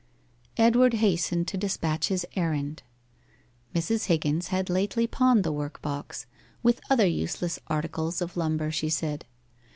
Edward hastened to despatch his errand. Mrs. Higgins had lately pawned the workbox with other useless articles of lumber, she said.